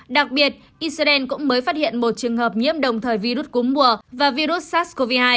đặc biệt israel cũng mới phát hiện một trường hợp nhiễm đồng thời virus cúm mùa và virus sars cov hai